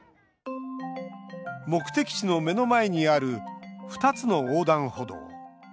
目的地の目の前にある２つの横断歩道。